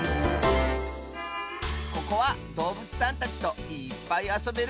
ここはどうぶつさんたちといっぱいあそべるぼくじょうだよ。